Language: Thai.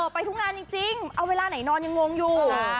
ไปทุกงานจริงเอาเวลาไหนนอนยังงงอยู่